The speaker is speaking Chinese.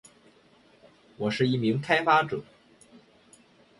我是一名开发者